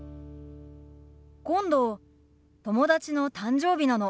今度友達の誕生日なの。